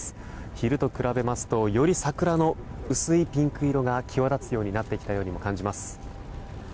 昼と比べますとより桜の薄いピンク色が際立つようになってきたようにも感じられます。